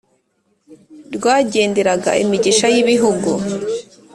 Rwagenderaga imigisha y’ibihugu,